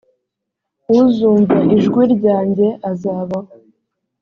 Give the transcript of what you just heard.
uzumva ijwi ryanjye azabaho